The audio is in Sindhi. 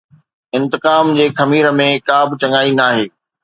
انتقام جي خمير ۾ ڪا به چڱائي ناهي.